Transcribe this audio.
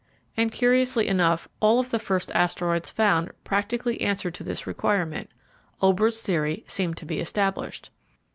And curiously enough all of the first asteroids found practically answered to this requirement. Olbers' theory seemed to be established.